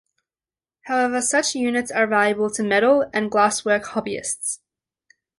However, such units are valuable to metal and glasswork hobbyists.